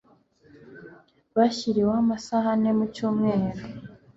bashyiriweho amasaha ane mu cyumweru